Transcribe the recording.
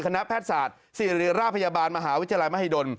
คณะแพทยศาสตร์ศิริราชพยาบาลมหาวิทยาลัยมหิดล